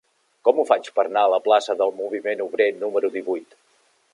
Com ho faig per anar a la plaça del Moviment Obrer número divuit?